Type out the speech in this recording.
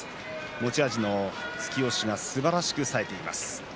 持ち味の突き押しがすばらしくさえています。